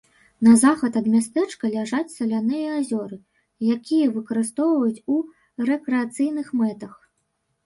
На захад ад мястэчка ляжаць саляныя азёры, якія выкарыстоўваюць у рэкрэацыйных мэтах.